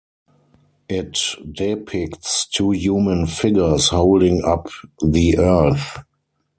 It depicts two human figures holding up the Earth.